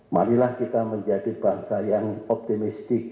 marilah kita menjadi bangsa yang optimistik